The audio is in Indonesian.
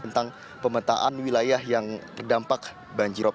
tentang pemetaan wilayah yang terdampak banjir rop